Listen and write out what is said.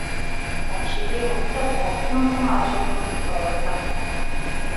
La disciplina, tuttavia, non fu mai il suo punto di forza.